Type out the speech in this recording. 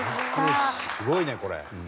すごいねこれ。